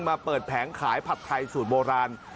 มาเปิดแผงขายผัดไทยสูตรโบราณ